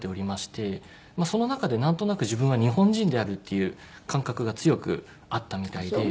まあその中でなんとなく自分は日本人であるっていう感覚が強くあったみたいで。